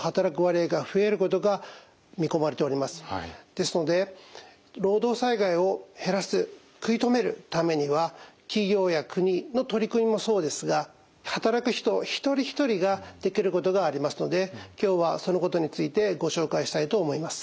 ですので労働災害を減らす食い止めるためには企業や国の取り組みもそうですが働く人一人一人ができることがありますので今日はそのことについてご紹介したいと思います。